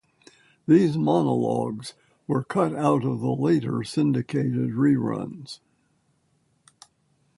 These monologues were cut out of the later syndicated reruns.